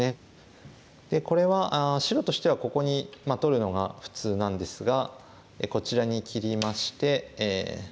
これは白としてはここに取るのが普通なんですがこちらに切りまして。